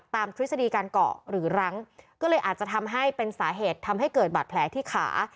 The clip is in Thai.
ทฤษฎีการเกาะหรือรั้งก็เลยอาจจะทำให้เป็นสาเหตุทำให้เกิดบาดแผลที่ขา